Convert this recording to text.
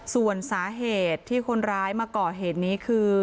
ส่วนสาเหตุที่คนร้ายมาก่อเหตุนี้คือ